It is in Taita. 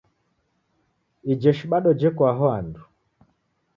Ijeshi bado jeko aho andu.